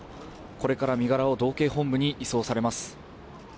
これから身柄を道警本部に移送されます。